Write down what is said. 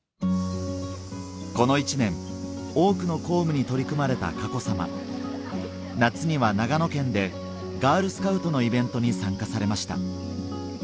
この１年多くの公務に取り組まれた佳子さま夏には長野県でガールスカウトのイベントに参加されました